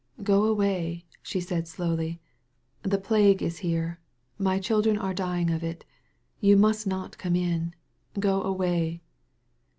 "Go away," she said slowly; "the plague is here. My children are dying of it. You must not come in ! Go away."